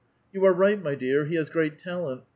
; "you are right, my dear ; he has great tal ent.